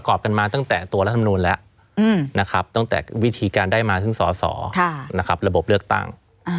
ของเลือกตั้ง